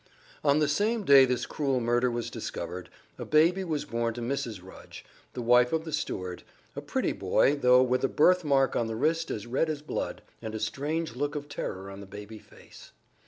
On the same day this cruel murder was discovered, a baby was born to Mrs. Rudge, the wife of the steward a pretty boy, though with a birth mark on the wrist as red as blood, and a strange look of terror on the baby face.